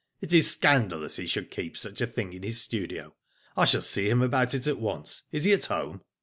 It is scandalous he should keep such, a thing in his studio. I shall see him about it at once. Is he at home?